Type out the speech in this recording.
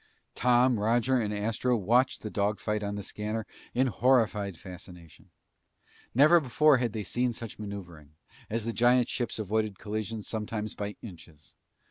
Tom, Roger, and Astro watched the dogfight on the scanner in horrified fascination. Never before had they seen such maneuvering, as the giant ships avoided collision sometimes by inches.